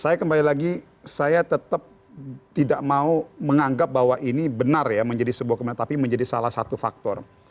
saya kembali lagi saya tetap tidak mau menganggap bahwa ini benar ya menjadi sebuah kemenangan tapi menjadi salah satu faktor